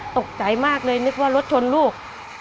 ตกใจมากเลยนึกว่ารถชนลูก